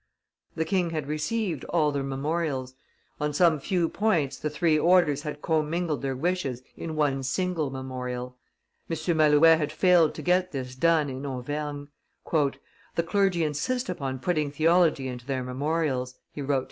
The king had received all the memorials; on some few points the three orders had commingled their wishes in one single memorial. M. Malouet had failed to get this done in Auvergne. "The clergy insist upon putting theology into their memorials," he wrote to M.